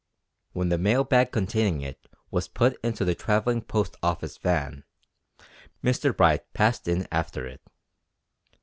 When the mail bag containing it was put into the Travelling Post Office van, Mr Bright passed in after it.